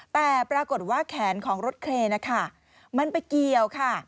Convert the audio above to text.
แต่ปรากฏว่าแขนของรถเครนนะคะมันไปเกี่ยวค่ะ